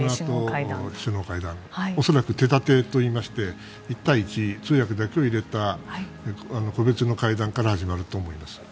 恐らく手立てといいまして１対１、通訳だけを入れた個別の会談から始まると思います。